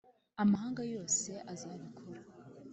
Amahanga yose azabikora.